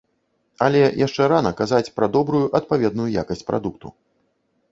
Але яшчэ рана казаць пра добрую адпаведную якасць прадукту.